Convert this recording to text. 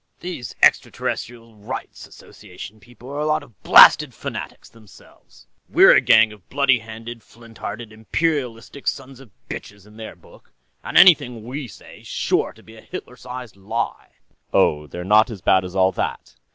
"These Extraterrestrials' Rights Association people are a lot of blasted fanatics, themselves. We're a gang of bloody handed, flint hearted, imperialistic sons of bitches in their book, and anything we say's sure to be a Hitler sized lie." "Oh, they're not as bad as all that.